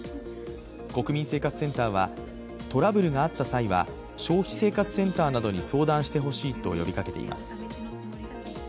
国民生活センターはトラブルがあった際は消費生活センターなどに相談してほしいと呼びかけています。